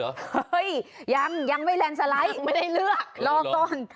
เฮ้ยยังยังไม่แลนด์สไลด์ไม่ได้เลือกรอก่อน